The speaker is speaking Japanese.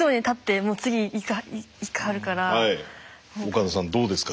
岡田さんどうですか？